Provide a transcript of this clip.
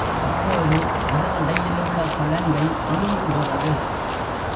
அப்போது அதன் இடையிலுள்ள சலங்கை குலுங்குகிறது.